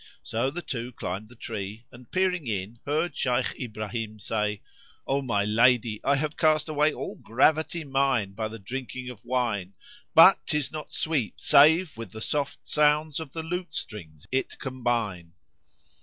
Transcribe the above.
So the two climbed the tree and, peering in, heard Shaykh Ibrahim say, "O my lady, I have cast away all gravity mine by the drinking of wine, but 'tis not sweet save with the soft sounds of the lute strings it combine."